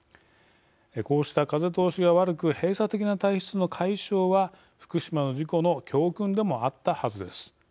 こうした風通しが悪く閉鎖的な体質の解消は福島の事故の教訓でもあったはずです。